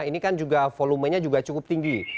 ini kan juga volumenya juga cukup tinggi